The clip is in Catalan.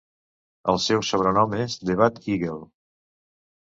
El seu sobrenom és "The Bald Eagle".